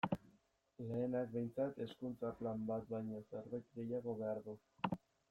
Lehenak, behintzat, Hezkuntza Plan bat baino zerbait gehiago behar du.